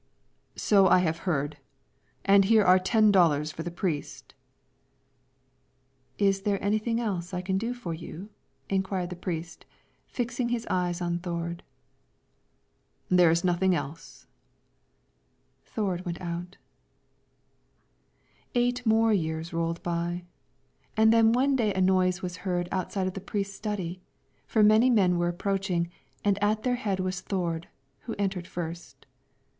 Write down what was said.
"So I have heard; and here are ten dollars for the priest." "Is there anything else I can do for you?" inquired the priest, fixing his eyes on Thord. "There is nothing else." Thord went out. Eight years more rolled by, and then one day a noise was heard outside of the priest's study, for many men were approaching, and at their head was Thord, who entered first.